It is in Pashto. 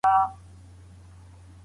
کوم کسان د خپل ښه ژوند پړه پر تقدیر اچوي؟